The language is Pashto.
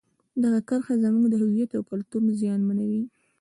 دغه کرښه زموږ د هویت او کلتور زیانمنوي.